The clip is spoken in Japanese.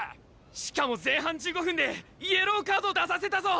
しかも前半１５分でイエローカード出させたぞ！